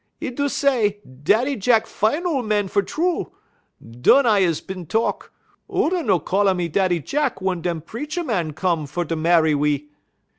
'E do say: 'Daddy Jack fine ole man fer true.' Dun I is bin talk: 'Oona no call a me Daddy Jack wun dem preacher man come fer marry we.'